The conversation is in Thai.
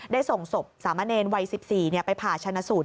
ส่งศพสามะเนรวัย๑๔ไปผ่าชนะสูตร